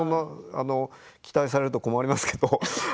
期待されると困りますけど。